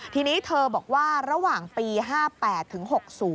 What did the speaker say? ทีนี้เธอบอกว่าระหว่างปี๕๘ถึง๖๐